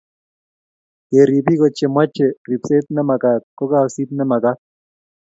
kerip biko che meche ripset ne magaat ko kasiit ne magaat